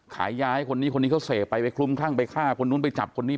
ขายยาให้คนนี้คนนี้เขาเสพไปไปคลุมคลั่งไปฆ่าคนนู้นไปจับคนนี้